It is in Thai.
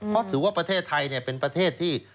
เพราะถือว่าประเทศไทยเป็นประเทศที่